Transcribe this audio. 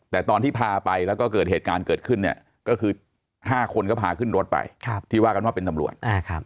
แต่ตอนที่พาไปแล้วก็เกิดเหตุการณ์เกิดขึ้นเนี่ยก็คือ๕คนก็พาขึ้นรถไปที่ว่ากันว่าเป็นตำรวจ